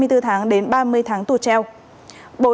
hai mươi bốn tháng đến ba mươi tháng tù treo